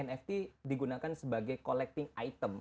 nah spesifiknya nft digunakan sebagai collecting item